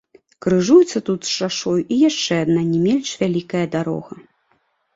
Крыжуецца тут з шашою і яшчэ адна, не менш вялікая дарога.